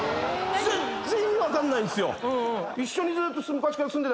全然意味分かんないんですよ。